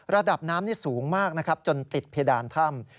ระดับน้ำนี้สูงมากจนติดเพดานถ้ำ